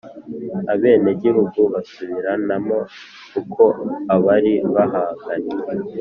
abenegihugu basubiranamo, uko abari bahanganye